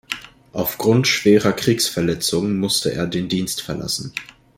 Aufgrund schwerer Kriegsverletzungen musste er den Dienst verlassen.